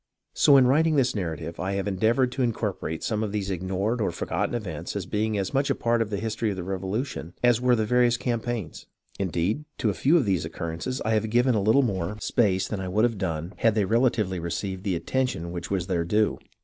Vi .' PREFACE So in writing this narrative I have endeavoured to incor porate some of these ignored or forgotten events as being as much a part of the history of the Revolution as were the various campaigns. Indeed, to a few of these occur rences I have given a little more space than I would have done had they relatively received the attention which was their due.